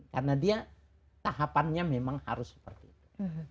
karena dia tahapannya memang harus seperti itu